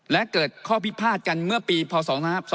และเกิดข้อพิพาทกันเมื่อปีพศ๒๕๒